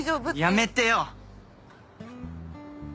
やめてよ！